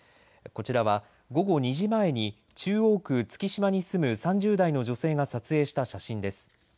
こちらは午後２時前に中央区月島に住む３０代の女性が撮影した写真です。